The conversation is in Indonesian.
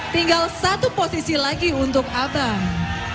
tinggal satu posisi lagi untuk abang